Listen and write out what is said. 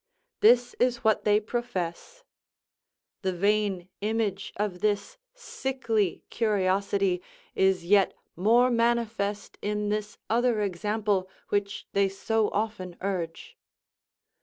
This is what they profess. The vain image of this sickly curiosity is yet more manifest in this other example which they so often urge.